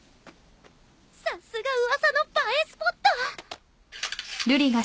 さすが噂の映えスポット！